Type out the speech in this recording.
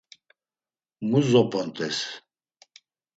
Mu zop̌ont̆es?